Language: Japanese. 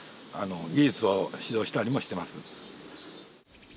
技術を指導したりもしてます。